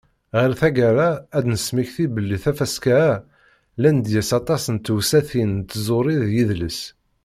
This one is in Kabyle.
Ɣer taggara, ad d-nesmekti belli tafaska-a, llant deg-s aṭas n tewsatin n tẓuri d yidles.